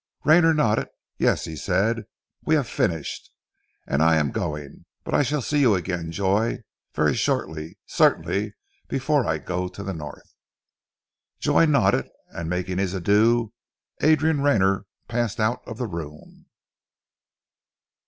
Rayner nodded. "Yes," he said. "We have finished, and I am going. But I shall see you again, Joy, very shortly, certainly before I go to the North." Joy nodded and making his adieu Adrian Rayner passed out of the room.